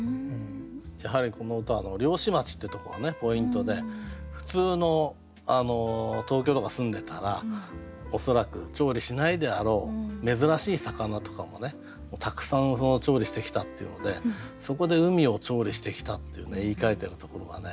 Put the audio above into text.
やはりこの歌は「漁師町」ってところがポイントで普通の東京とか住んでたら恐らく調理しないであろう珍しい魚とかもたくさん調理してきたっていうのでそこで「海を調理してきた」って言いかえてるところがね